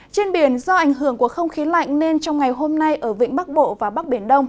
trên biển do ảnh hưởng của không khí lạnh nên trong ngày hôm nay ở vĩnh bắc bộ và bắc biển đông